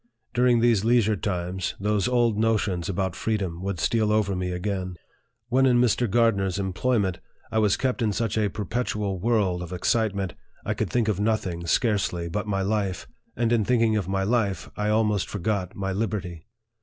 During these leisure times, those old notions about freedom would steal over me again. When in Mr. Gardner's employment, I was kept in such a per petual whirl of excitement, I could think of nothing, scarcely, but my life ; and in thinking of my life, I almost forgot my liberty.